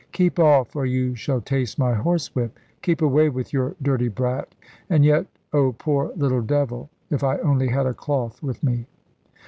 "Keep off, or you shall taste my horsewhip. Keep away with your dirty brat and yet oh, poor little devil! If I only had a cloth with me!"